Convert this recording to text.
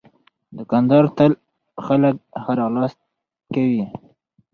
دوکاندار تل خلک ښه راغلاست کوي.